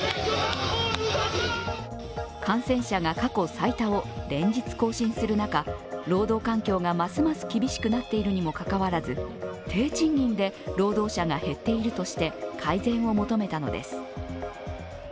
感染者が過去最多を連日更新する中、労働環境がますます厳しくなっているにもかかわらず低賃金で労働者が減っているとして改善を求めたのです。